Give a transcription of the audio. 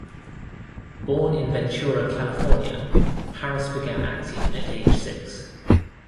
Born in Ventura, California, Harris began acting at age six.